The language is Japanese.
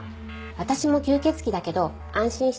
私も吸血鬼だけど安心して。